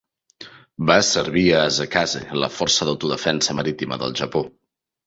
Va servir a Asakaze, la Força d'Autodefensa Marítima del Japó.